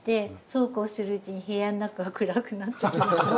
そうこうするうちに部屋の中が暗くなっていくみたいな。